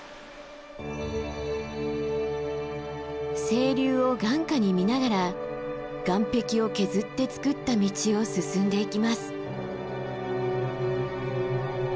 清流を眼下に見ながら岩壁を削ってつくった道を進んでいきます。